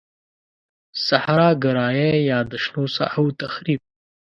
صحرا ګرایی یا د شنو ساحو تخریب.